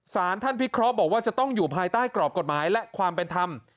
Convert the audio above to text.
สารท่านพิเคราะห์บอกว่าจะต้องอยู่ภายใต้กรอบกฎหมายและความเป็นธรรม